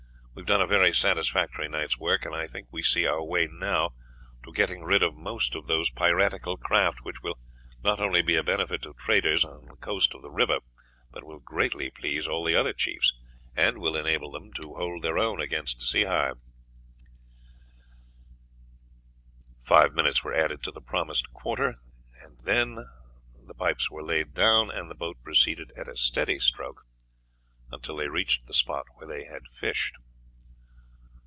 We have done a very satisfactory night's work, and I think we see our way now to getting rid of most of those piratical craft, which will not only be a benefit to traders on the coast of the river, but will greatly please all the other chiefs, and will enable them to hold their own against Sehi." Five minutes were added to the promised quarter, and then the pipes were laid down, and the boat proceeded at a steady stroke until they reached the spot where they had fished.